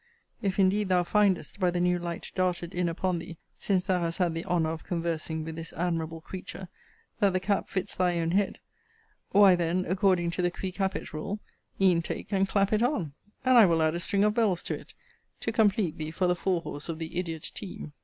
If indeed thou findest, by the new light darted in upon thee, since thou hast had the honour of conversing with this admirable creature, that the cap fits thy own head, why then, according to the qui capit rule, e'en take and clap it on: and I will add a string of bells to it, to complete thee for the fore horse of the idiot team.